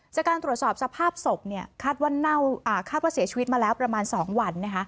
จากการตรวจสอบสภาพศพคาดว่าเสียชีวิตมาแล้วประมาณ๒วัน